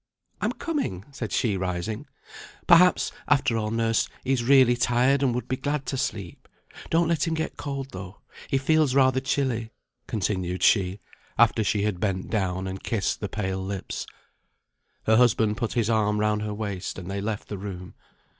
"I'm coming," said she, rising; "perhaps, after all, nurse, he's really tired, and would be glad to sleep. Don't let him get cold, though, he feels rather chilly," continued she, after she had bent down, and kissed the pale lips. Her husband put his arm round her waist, and they left the room.